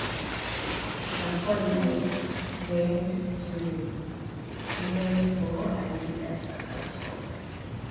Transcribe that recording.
The four knights fled to Knaresborough and hid at the castle.